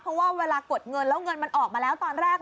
เพราะว่าเวลากดเงินแล้วเงินมันออกมาแล้วตอนแรก